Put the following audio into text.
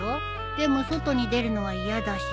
でも外に出るのは嫌だし。